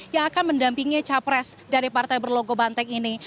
yang akan mendampingi capres dari partai berlogo banteng ini